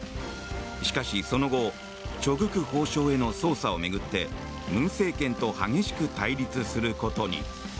しかし、その後チョ・グク法相への捜査を巡って文政権と激しく対立することに。